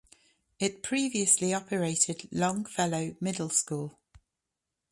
It previously operated Longfellow Middle School.